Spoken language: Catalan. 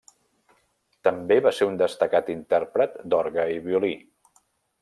També va ser un destacat intèrpret d'orgue i violí.